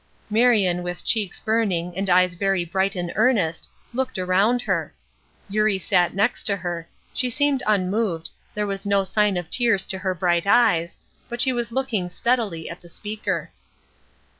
Marion, with cheeks burning, and eyes very bright and earnest, looked around her: Eurie sat next to her, she seemed unmoved, there was no sign of tears to her bright eyes, but she was looking steadily at the speaker.